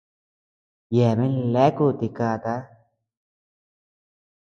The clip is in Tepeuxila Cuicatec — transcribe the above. Yeabean leaku tikata.